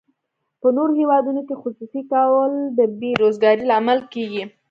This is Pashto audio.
په نورو هیوادونو کې خصوصي کول د بې روزګارۍ لامل کیږي.